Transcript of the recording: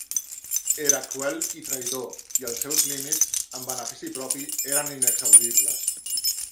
Era cruel i traïdor, i els seus límits en benefici propi eren inexhauribles.